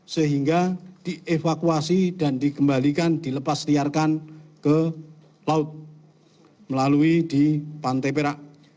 sehingga dievakuasi dan dikembalikan dilepas liarkan ke laut melalui di pantai perak